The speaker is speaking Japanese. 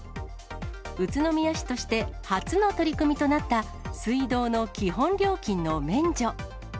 宇都宮市として初の取り組みとなった水道の基本料金の免除。